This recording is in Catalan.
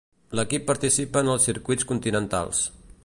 L'equip participa en els circuits continentals.